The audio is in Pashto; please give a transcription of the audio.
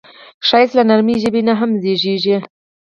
ښایست له نرمې ژبې نه هم زېږي